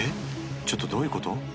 ちょっとどういうこと？